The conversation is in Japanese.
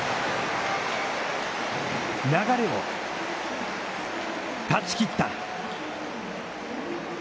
流れを、断ち切った！